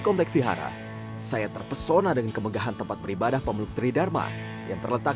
komplek vihara saya terpesona dengan kemegahan tempat beribadah pemeluk tridharma yang terletak